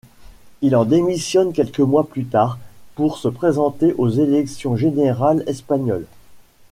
Il en démissionne quelques mois plus tard pour se présenter aux élections générales espagnoles.